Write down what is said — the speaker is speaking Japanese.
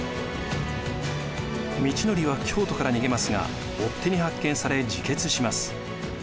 通憲は京都から逃げますが追っ手に発見され自決します。